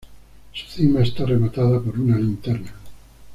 Su cima está rematada por una linterna.